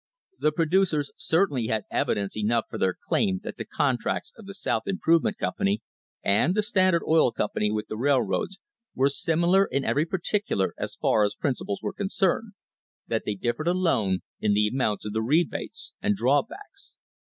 The producers certainly had evidence enough for their claim that the contracts of the South Im provement Company and the Standard Oil Company with the railroads were similar in every particular as far as princi ples were concerned — that they differed alone in the amounts of the rebates and drawbacks.